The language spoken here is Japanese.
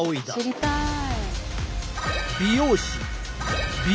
知りたい。